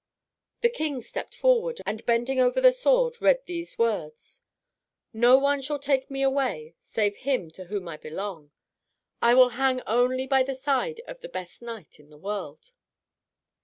The King stepped forward, and bending over the sword read these words: "No one shall take me away save him to whom I belong. I will hang only by the side of the best knight in the world."